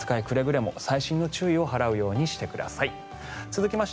くれぐれも細心の注意を払うようにしてください。